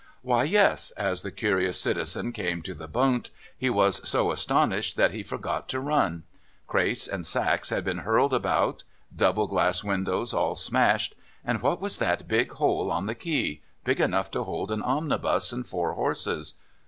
Why, yes, as the curious citizen came to the Bund, he was so astonished that he forgot to run. Crates and sacks had been hurled about, double glass windows all smashed; and what was that big hole on the quay, big enough to hold an omnibus and four horses?